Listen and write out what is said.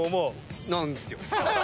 なんすよ。